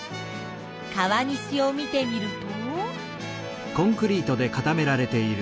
川岸を見てみると。